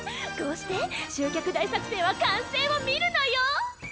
こうして集客大作戦は完成を見るのよ！